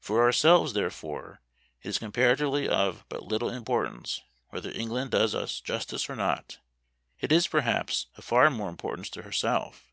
For ourselves, therefore, it is comparatively of but little importance whether England does us justice or not; it is, perhaps, of far more importance to herself.